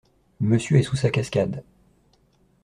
Monsieur est sous sa cascade.